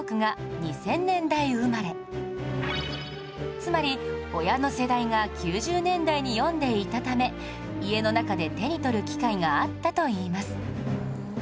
つまり親の世代が９０年代に読んでいたため家の中で手に取る機会があったといいます